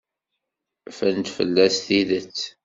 Ffrent fell-as tidet.